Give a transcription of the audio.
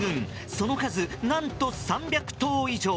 その数、何と３００頭以上。